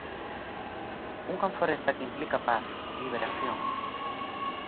Unha foresta que implica paz, liberación.